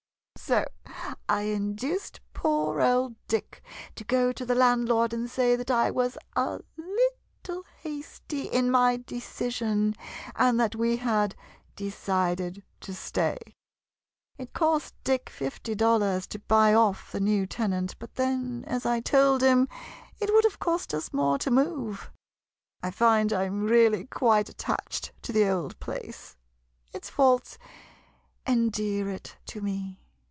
So I induced poor old Dick to go to the landlord and say that I was a little hasty in my decision, and that we had decided to stay. It cost Dick fifty dollars to buy off the new tenant, but then, as I told him, it would have cost us more to move ! I find I 'm really quite attached to the old place — its faults endear it to me.